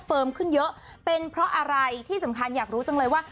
ขึ้นเยอะเป็นเพราะอะไรที่สำคัญอยากรู้จังเลยว่า